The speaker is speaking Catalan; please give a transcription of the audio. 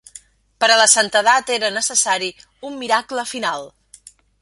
Per a la santedat era necessari un miracle final.